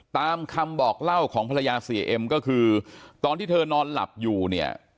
ตามคำบอกเล่าของภรรยาเสียเอ็มก็คือตอนที่เธอนอนหลับอยู่เนี่ย